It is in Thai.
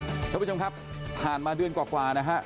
คุณผู้ชมครับผ่านมาเดือนกว่านะฮะ